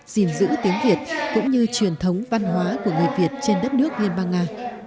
gìn giữ tiếng việt cũng như truyền thống văn hóa của người việt trên đất nước liên bang nga